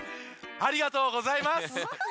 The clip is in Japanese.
ありがとうございます。